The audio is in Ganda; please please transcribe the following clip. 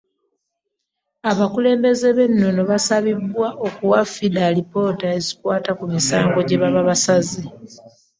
Abakulembeze b’ennono basabibwa okuwa FIDA alipoota ezikwata ku misango gye baba basaze.